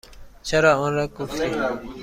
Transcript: چرا آنرا گفتی؟